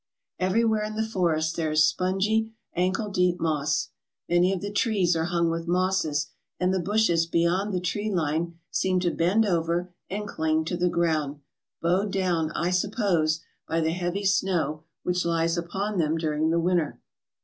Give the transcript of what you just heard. Everywhere in the forest there is spongy, ankle deep moss. Many of the trees are hung with mosses, and the bushes beyond the tree line seem to bend over and cling to the ground, bowed down, I suppose, by the heavy snow which lies upon them during the winter.